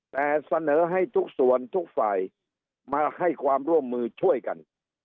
แต่เสนอให้ทุกส่วนทุกฝ่ายมาให้ความร่วมมือช่วยกัน